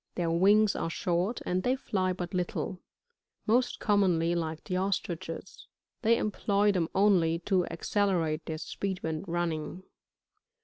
Their whigs are short, and they fly but little ; most commonly like the Ostriches* they employ them only to accelerate their speed when running.